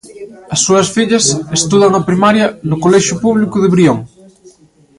As súas fillas estudan a primaria no colexio público de Brión.